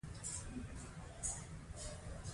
د کمیسیون په مالي او اداري چارو کې فعالیت کوي.